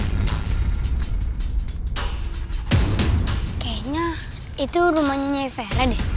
kayaknya itu rumahnya vera deh